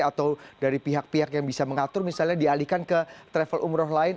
atau dari pihak pihak yang bisa mengatur misalnya dialihkan ke travel umroh lain